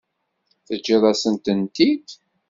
Teǧǧiḍ-asent-tent-id?